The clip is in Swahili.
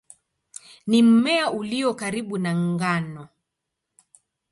Ni mmea ulio karibu na ngano.